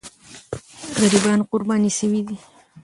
غریبان قرباني سوي دي.